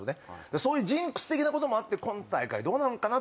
そういうジンクス的なのがあって今大会、どうなるのかなって。